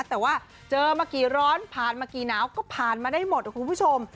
แต่ว่าเจอมากี่ร้อนผ่านมากี่หนาวก็ผ่านมาได้หมดคุณผู้ชม